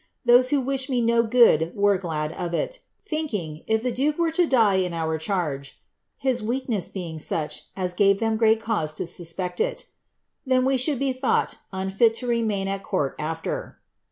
Those who wished me no good were glad of it. Jig, if the duke were to die in our charge, (his weakness being n gave them great cause to suspect it,) then we should be thought to remain at court af\er.